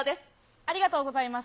ありがとうございます。